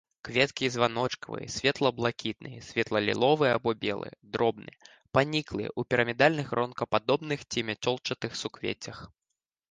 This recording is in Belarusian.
Кветкі званочкавыя, светла-блакітныя, светла-ліловыя або белыя, дробныя, паніклыя, у пірамідальных гронкападобных ці мяцёлчатых суквеццях.